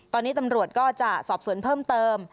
ตอนนี้ตำรวจก็จะสอบสวนเพิ่มเติม